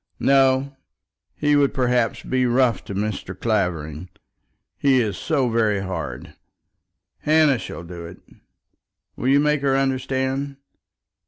"No; he would, perhaps, be rough to Mr. Clavering. He is so very hard. Hannah shall do it. Will you make her understand?"